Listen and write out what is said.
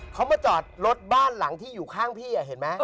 เขามาจอดรถบ้านหลังที่อยู่ข้างพี่เห็นไหม